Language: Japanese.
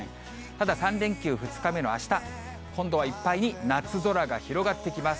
ただ、３連休２日目のあした、今度はいっぱいに夏空が広がってきます。